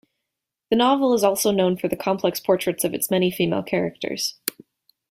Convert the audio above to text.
The novel is also known for the complex portraits of its many female characters.